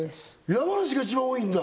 山梨が一番多いんだ！？